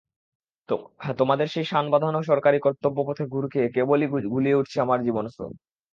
তোমাদের সেই শানবাঁধানো সরকারি কর্তব্যপথে ঘুর খেয়ে কেবলই ঘুলিয়ে উঠছে আমার জীবনস্রোত।